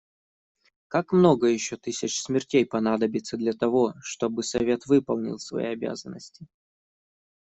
Как много еще тысяч смертей понадобится для того, чтобы Совет выполнил свои обязанности?